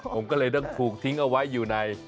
ผมก็เลยต้องถูกทิ้งเอาไว้อยู่ใน